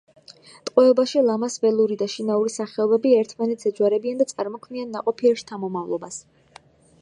ტყვეობაში ლამას ველური და შინაური სახეობები ერთმანეთს ეჯვარებიან და წარმოქმნიან ნაყოფიერ შთამომავლობას.